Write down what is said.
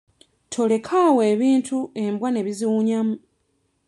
Toleka awo ebintu embwa ne zibiwunyamu.